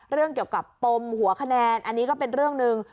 เรื่องเกี่ยวกับปมหัวคะแนนอันนี้ก็เป็นเรื่องหนึ่ง